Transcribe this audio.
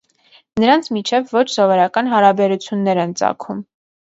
Նրանց միջև ոչ սովորական հարաբերություններ են ծագում։